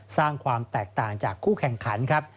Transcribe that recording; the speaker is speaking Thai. สร้างความแตกต่างจากคู่แข่งขันครับ